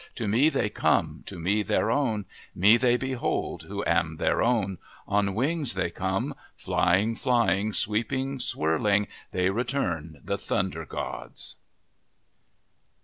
To me they come, to me their own, Me they behold, who am their own ! On wings they come, Flying, flying, sweeping, swirling, They return, the Thunder gods."